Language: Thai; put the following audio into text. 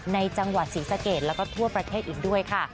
ในจังหวัดศรีสะเกดแล้วก็ทั่วประเทศอีกด้วยค่ะ